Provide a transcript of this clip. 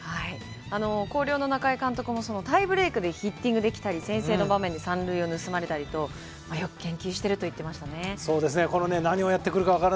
広陵の中井監督もタイブレークでヒッティングできたり、三塁を盗まれたりとか、よく研究されていると言っていました。